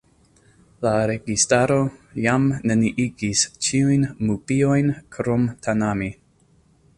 La registaro jam neniigis ĉiujn mupiojn krom Tanami.